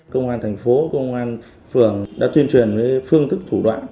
công an thành phố công an phường đã tuyên truyền với phương thức thủ đoạn